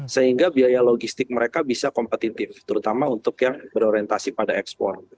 sehingga biaya logistik mereka bisa kompetitif terutama untuk yang berorientasi pada ekspor